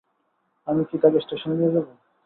আমি কী তাকে স্টেশনে নিয়ে যাব?